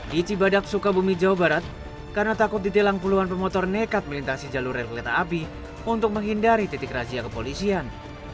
di cibadak sukabumi jawa barat karena takut ditilang puluhan pemotor nekat melintasi jalur rel kereta api untuk menghindari titik razia kepolisian